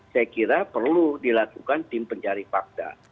saya kira perlu dilakukan tim pencari fakta